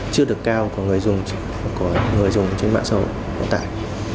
chưa được cao của người dùng trên mạng xã hội hiện tại